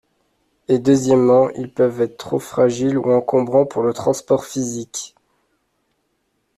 Et deuxièmement, ils peuvent être trop fragiles ou encombrants pour le transport physique.